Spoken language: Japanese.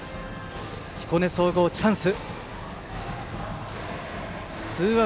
彦根総合、チャンス。